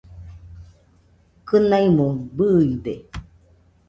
Kɨnaimo bɨide